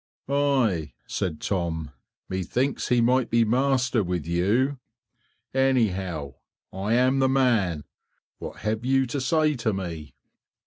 "Ay," said Tom, "methinks he might be master with you. Anyhow, I am the man; what have you to say to me?"